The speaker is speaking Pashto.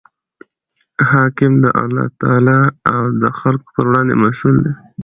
حاکم د الله تعالی او د خلکو پر وړاندي مسئوله دئ.